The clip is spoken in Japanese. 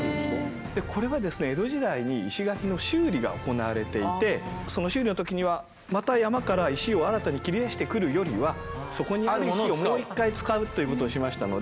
これはですね江戸時代に石垣の修理が行われていてその修理の時にはまた山から石を新たに切り出してくるよりはそこにある石をもう一回使うということをしましたので。